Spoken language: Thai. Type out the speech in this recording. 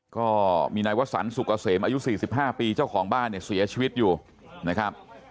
ก็มีนายวสันสุกเกษมอายุ๔๕ปีเจ้าของบ้านเนี่ยเสียชีวิตอยู่นะครับ